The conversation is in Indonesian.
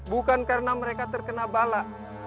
bukan karena mereka terkena bala